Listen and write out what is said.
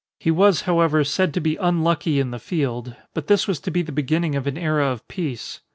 He was, however, said to be unlucky in the field but this was to be the beginning of an era of peace.